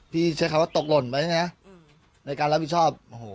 พี่ใช้คำว่าตกล่นไปใช่ไหมอืมในการรับผิดชอบโอ้โหมันสุดยอด